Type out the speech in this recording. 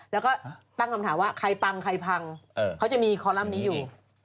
แล้วก็ตั้งคำถามว่าใครปังใครพังเขาจะมีคอลัมป์นี้อยู่